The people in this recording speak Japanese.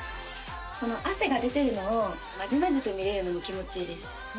汗が出てるのをまじまじと見れるのが気持ち良いです。